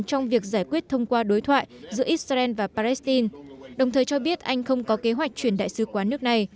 trong việc giải quyết thông qua đối thoại giữa israel và palestine đồng thời cho biết anh không có kế hoạch chuyển đại sứ quán nước này